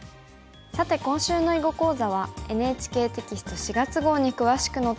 さて今週の囲碁講座はＮＨＫテキスト４月号に詳しく載っています。